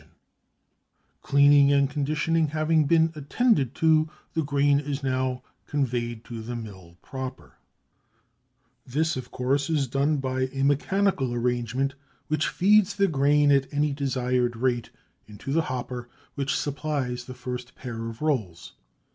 The ribs can just be seen where the two rolls touch] Cleaning and conditioning having been attended to, the grain is now conveyed to the mill proper. This of course is done by a mechanical arrangement which feeds the grain at any desired rate into the hopper which supplies the first pair of rolls.